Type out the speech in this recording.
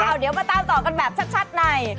เดี๋ยวมาตามต่อกันแบบชัดใน